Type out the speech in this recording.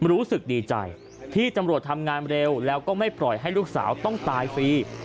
รู้สึกดีใจที่ตำรวจทำงานเร็วแล้วก็ไม่ปล่อยให้ลูกสาวต้องตายฟรี